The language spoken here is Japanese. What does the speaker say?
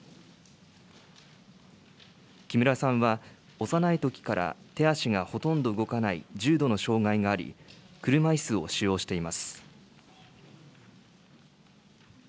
木村さんは、幼いときから手足がほとんど動かない重度の障害があり、車いすを使用しています。